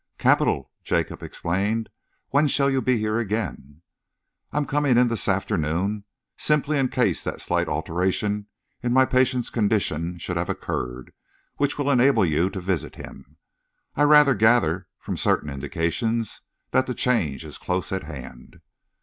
"Capital!" Jacob exclaimed. "When shall you be here again?" "I am coming in this afternoon, simply in case that slight alteration in my patient's condition should have occurred, which will enable you to visit him. I rather gather, from certain indications, that the change is close at hand."